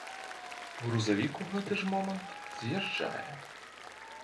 Грузавік у гэты ж момант з'язджае.